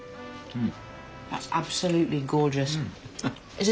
うん！